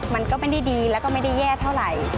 มันก็ไม่ได้ดีแล้วก็ไม่ได้แย่เท่าไหร่